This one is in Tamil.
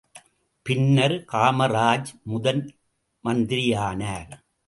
பின்னர் காமராஜ் முதன் மந்திரியானார்.